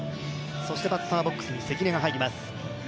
バッターボックスに関根が入ります。